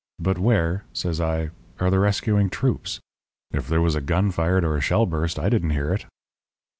But where,' says I, 'are the rescuing troops? If there was a gun fired or a shell burst, I didn't hear it.'